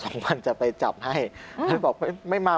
๒วันจะไปจับให้